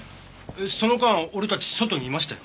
その間俺たち外にいましたよ。